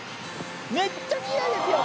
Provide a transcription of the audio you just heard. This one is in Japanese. めっちゃきれいですよ！